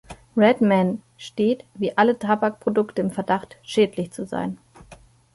Red Man steht wie alle Tabakprodukte im Verdacht schädlich zu sein.